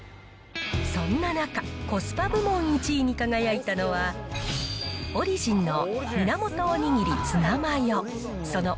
そんな中、コスパ部門１位に輝いたのはオリジンの源おにぎりツナマヨ。